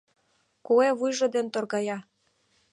Куэ вуйжо ден торгая.